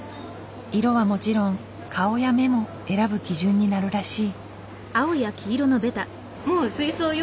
色はもちろん顔や目も選ぶ基準になるらしい。